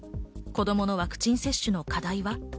子供のワクチン接種の課題は。